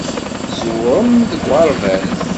Tẓewrem deg uɣerbaz.